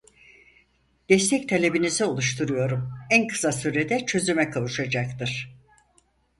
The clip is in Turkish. Destek talebinizi oluşturuyorum en kısa sürede çözüme kavuşacaktır.